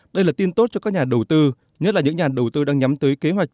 đây là tin tốt cho các nhà đầu tư nhất là những nhà đầu tư đang nhắm tới kế hoạch